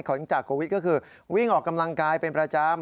หลังจากโควิดก็คือวิ่งออกกำลังกายเป็นประจำ